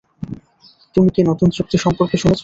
তুমি কি নতুন চুক্তি সম্পর্কে শুনেছ?